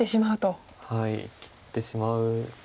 切ってしまうと。